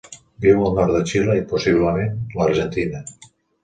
Viu al nord de Xile i, possiblement, l'Argentina.